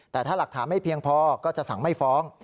แต่ถ้าหลักฐานไม่เพียงพอก็จะสั่งไม่ฟ้อง